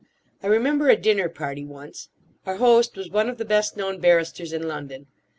I remember a dinner party once: our host was one of the best known barristers in London.